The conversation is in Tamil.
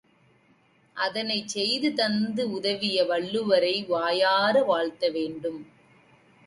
அதனைச் செய்து தந்து உதவிய வள்ளுவரை வாயார வாழ்த்த வேண்டும்.